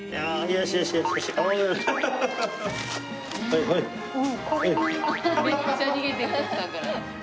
めっちゃ逃げてる徳さんから。